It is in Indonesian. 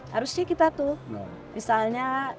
harusnya kita tuh misalnya